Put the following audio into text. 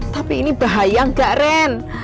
tapi ini bahaya nggak ren